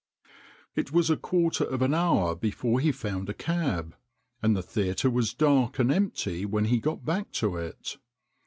It was a quarter of an hour before he found a cab, and the theatre was dark and empty when he got back to it.